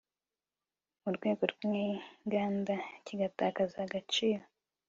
mu rwego rw inganda kigatakaza agaciro